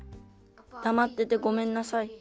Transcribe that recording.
だまっててごめんなさい。